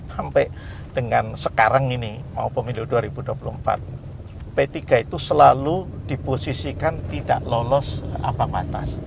sampai dengan sekarang ini mau pemilu dua ribu dua puluh empat p tiga itu selalu diposisikan tidak lolos abam atas